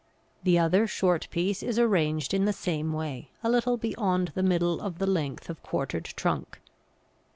The other short piece is arranged in the same way, a little way beyond the middle of the length of quartered trunk.